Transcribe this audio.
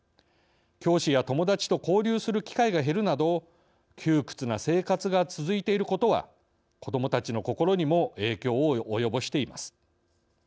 教師や友達と交流する機会が減るなど窮屈な生活が続いていることは子どもたちの心にも影響を及ぼしています。